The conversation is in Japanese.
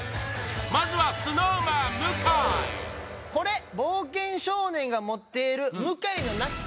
まずはこれ「冒険少年」が持っている向井の泣き